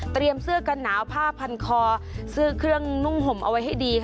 เสื้อกันหนาวผ้าพันคอเสื้อเครื่องนุ่งห่มเอาไว้ให้ดีค่ะ